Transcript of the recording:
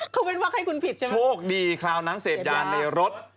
เขาเว้นวักให้คุณผิดใช่ไหมโชคดีคราวนั้นเสพยาในรถ